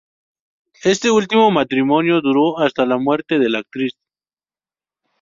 Este último matrimonio duró hasta la muerte de la actriz.